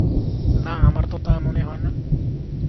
না, আমার তা মনে হয় না।